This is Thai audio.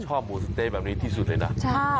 ชอบหมูสะเต๊ะแบบนี้ที่สุดเลยนะ